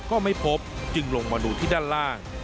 ก็ไม่พบจึงลงมาดูที่ด้านล่าง